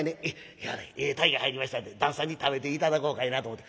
「今日はねええ鯛が入りましたんで旦さんに食べて頂こうかいなと思て。